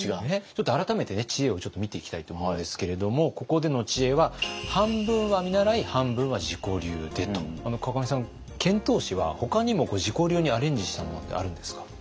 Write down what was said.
ちょっと改めて知恵を見ていきたいと思うんですけれどもここでの知恵は「半分は見習い半分は自己流で」と。河上さん遣唐使はほかにも自己流にアレンジしたものってあるんですか？